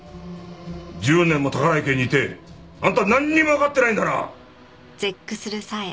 １０年も宝居家にいてあんたなんにもわかってないんだな！